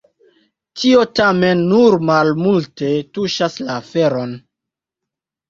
Tio tamen nur malmulte tuŝas la aferon.